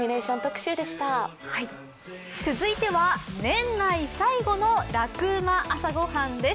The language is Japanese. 続いては年内最後の「ラクうま！朝ごはん」です。